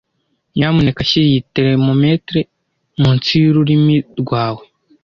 Nyamuneka shyira iyi termometero munsi y'ururimi rwawe.